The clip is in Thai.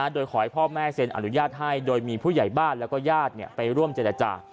โดยขอให้พ่อแม่เซ็นอนุญาตให้โดยมีผู้ใหญ่บ้านแล้วก็ญาติไปร่วมเจรจา